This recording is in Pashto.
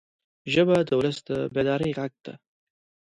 ژبه د ولس د بیدارۍ غږ ده